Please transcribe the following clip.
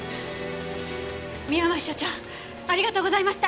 宮前所長ありがとうございました！